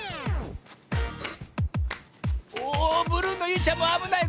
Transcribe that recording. おブルーのゆいちゃんもあぶない。